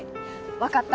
わかった。